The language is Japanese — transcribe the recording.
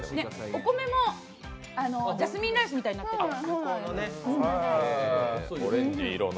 お米もジャスミンライスみたいになってる。